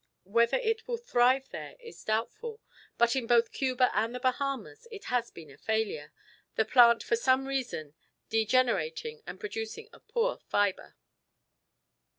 Whether it will thrive there is doubtful, but in both Cuba and the Bahamas it has been a failure, the plant for some reason degenerating and producing a poor fibre.